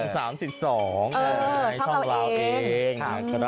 ช่อง๓๒ช่องเราเอง